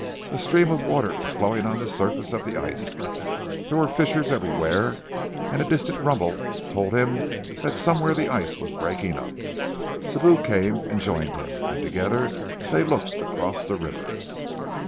A stream of water was flowing on the surface of the ice. There were fissures everywhere, and a distant rumble told him that somewhere the ice was breaking up, Sibou came and joined him, and together they looked across the river.